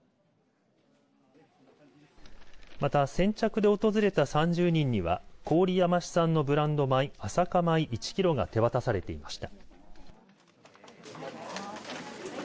また、先着で訪れた３０人には郡山市産のブランド米あさか舞１キロが手渡されていました。